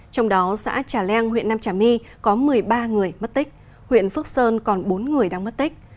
trong đó xã trà leng huyện nam trà my có một mươi ba người mất tích huyện phước sơn còn bốn người đang mất tích